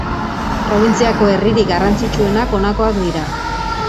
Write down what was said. Probintziako herririk garrantzitsuenak honakoak dira.